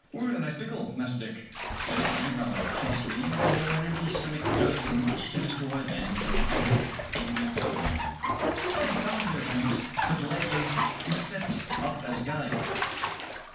"We're in a nice pickle, Master Dick," said I, rather crossly, for an empty stomach does much to destroy a man's natural amiability. " Confound your assurance that led you to set up as a guide.